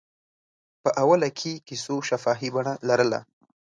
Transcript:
په اوله کې کیسو شفاهي بڼه لرله.